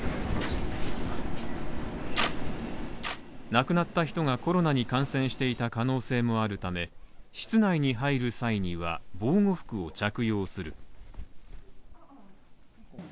亡くなった人がコロナに感染していた可能性もあるため、室内に入る際には、防護服を着用する。